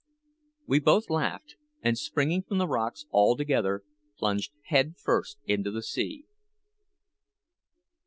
We both laughed, and springing from the rocks together, plunged head first into the sea.